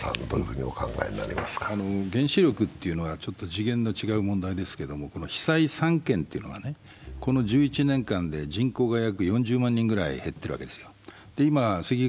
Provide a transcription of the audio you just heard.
原子力というのはちょっと次元の違う問題ですけれども、被災３県というのがね、この１１年間で人口が約４０万人くらい減っているんですよ。